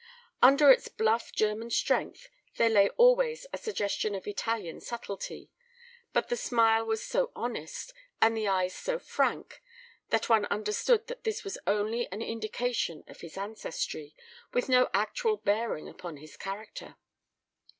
Under its bluff German strength there lay always a suggestion of Italian subtlety, but the smile was so honest, and the eyes so frank, that one understood that this was only an indication of his ancestry, with no actual bearing upon his character.